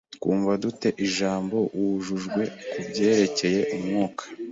Twumva dute ijambo "wujujwe" ku byerekeye Umwuka?